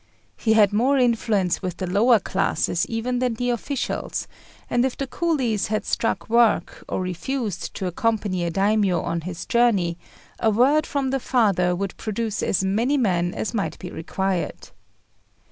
He had more influence with the lower classes even than the officials; and if the coolies had struck work or refused to accompany a Daimio on his journey, a word from the Father would produce as many men as might be required.